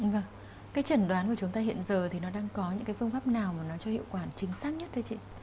vâng cái trần đoán của chúng ta hiện giờ thì nó đang có những cái phương pháp nào mà nó cho hiệu quả chính xác nhất thưa chị